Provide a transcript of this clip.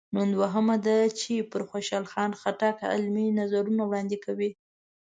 نن دوهمه ده چې پر خوشحال خټک علمي نظرونه وړاندې کوي.